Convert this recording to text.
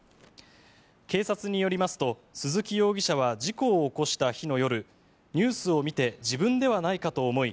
警察によりますと、鈴木容疑者は事故を起こした日の夜ニュースを見て自分ではないかと思い